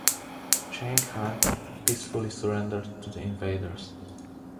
Chiang Hung peacefully surrendered to the invaders.